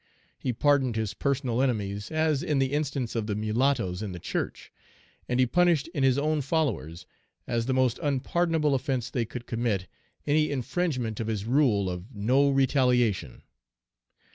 he pardoned his personal enemies (as in the instance of the mulattoes in the church), and he punished in his own followers, as the most unpardonable offence they could commit, any infringement of his rule of "No RETALIATION."